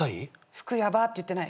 「服ヤバ」って言ってない。